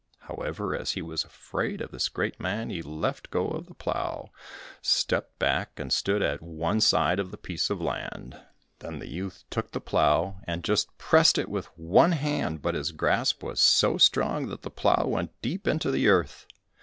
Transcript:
However, as he was afraid of this great man, he left go of the plough, stepped back and stood at one side of the piece of land. Then the youth took the plough, and just pressed it with one hand, but his grasp was so strong that the plough went deep into the earth.